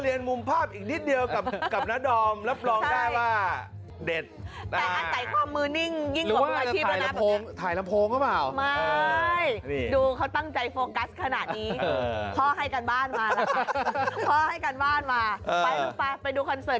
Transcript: เอาอีกคนนี้